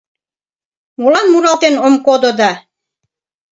Молан муралтен ом кодо да